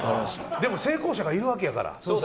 成功者がいるわけやから。